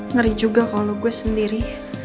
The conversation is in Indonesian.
ngeri juga kalau gue sendiri